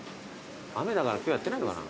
雨だから今日やってないのかな？